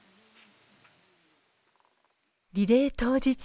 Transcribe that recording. リレー当日。